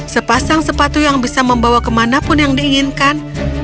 sepasang sepatu yang bisa membawa kemana pun yang diinginkan